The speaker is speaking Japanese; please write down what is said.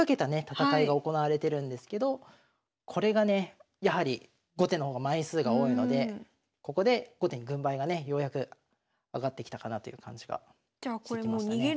戦いが行われてるんですけどこれがねやはり後手の方が枚数が多いのでここで後手に軍配がねようやく上がってきたかなという感じがしてきましたね。